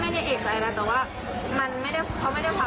เพราะว่าไปกัน๕คนด์แล้วทีนี้เขาบอกว่าขอเก็บภาพครั้งรวมด้วยอีก๕๐บาท